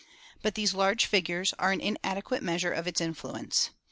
But these large figures are an inadequate measure of its influence.